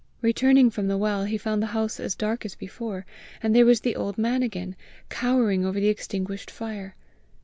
Returning from the well he found the house dark as before; and there was the old man again, cowering over the extinguished fire!